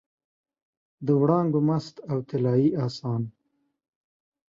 د وړانګو مست او طلايي اسان